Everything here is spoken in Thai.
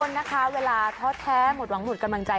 คนนะคะเวลาท้อแท้หมดหวังหมดกำลังใจ